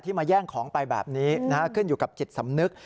มาแย่งของไปแบบนี้ขึ้นอยู่กับจิตสำนึก